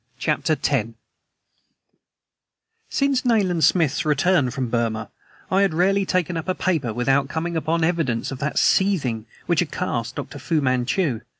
CHAPTER X SINCE Nayland Smith's return from Burma I had rarely taken up a paper without coming upon evidences of that seething which had cast up Dr. Fu Manchu.